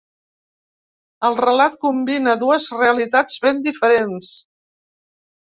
El relat combina dues realitats ben diferents.